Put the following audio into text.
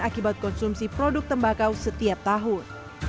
akibat konsumsi produk tembakau setiap tahun